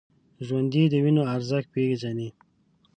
ژوندي د وینو ارزښت پېژني